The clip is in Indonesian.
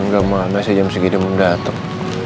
gak mau amat si jam segitu mendatang